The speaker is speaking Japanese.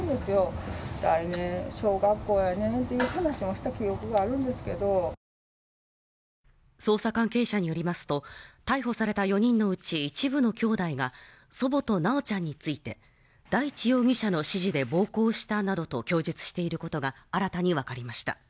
沙喜容疑者を知る人は捜査関係者によりますと、逮捕された４人のうち一部のきょうだいが祖母と修ちゃんについて、大地容疑者の指示で暴行したなどと供述していることが新たにわかりました。